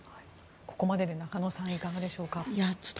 ここまでで中野さんいかがでしょうか。